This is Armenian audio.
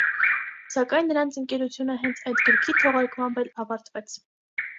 Սակայն նրանց ընկերությունը հենց այդ գրքի թողարկմամբ էլ ավարտվեց։